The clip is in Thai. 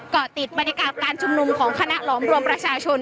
เกาะติดบรรยากาศการชุมนุมของคณะหลอมรวมประชาชน